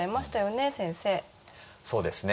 そうですね。